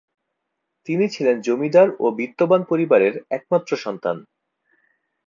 তিনি ছিলেন জমিদার ও বিত্তবান পরিবারের একমাত্র সন্তান।